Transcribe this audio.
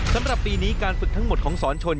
สำหรับปีนี้การฝึกทั้งหมดของสอนชน